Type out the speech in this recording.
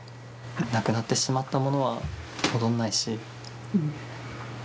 なくなってしまったものは戻らないし。